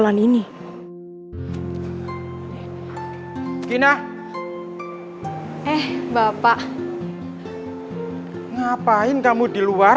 lo mau ngeset aja ya